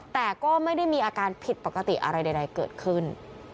แต่ก็ไม่ได้มีอาการผิดปกติอะไรใดเกิดขึ้น